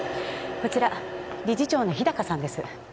こちら理事長の日高さんです